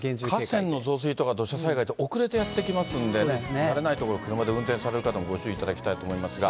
河川の増水とか土砂災害って遅れてやって来ますんでね、慣れない所、車で運転される方もご注意いただきたいと思いますが。